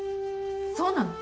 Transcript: そうなの？